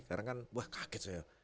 karena kan wah kaget saya